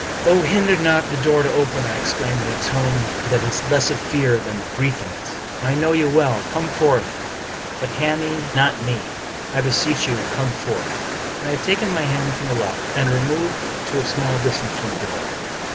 " Oh, hinder not the door to open," I exclaimed, in a tone that had less 259 American Mystery Stories of fear than of grief in it. " I know you well. Come forth, but hami me not. I beseech you, come forth." I had taken my hand from the lock and removed to a small distance from the door.